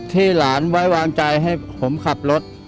ที่หลานไว้วางใจให้ผมขับรถ